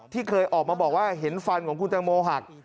ที่เคยออกมาบอกว่าเห็นฟันของคุณตังโมหัก